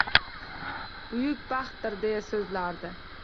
Buyuk baxtdir, deya soʻzlardi.